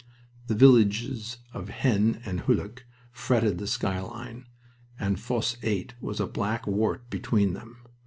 The villages of Haisnes and Hulluch fretted the skyline, and Fosse 8 was a black wart between them.